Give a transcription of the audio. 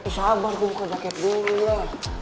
sabar gue buka jaket dulu ya